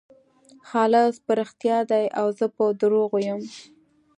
خالص په رښتیا دی او زه په درواغو یم.